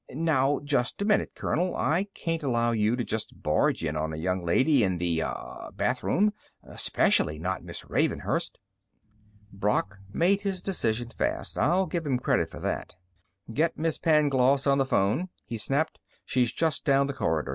"Now, just a minute, colonel! I can't allow you to just barge in on a young girl in the ... ah ... bathroom. Especially not Miss Ravenhurst." Brock made his decision fast; I'll give him credit for that. "Get Miss Pangloss on the phone!" he snapped. "She's just down the corridor.